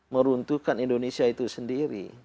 meruntuhkan indonesia itu sendiri